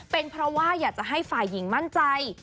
เป็นเพราะว่าอยากจะให้ฝ่ายหญิงมั่นใจ